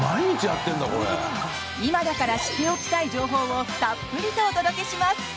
今だから知っておきたい情報をたっぷりとお届けします。